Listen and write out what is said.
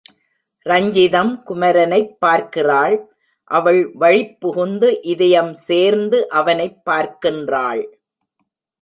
ரஞ்சிதம் குமரனைப் பார்க்கிறாள், அவள் வழிப்புகுந்து, இதயம் சேர்ந்து அவனைப் பார்க்கின்றாள்.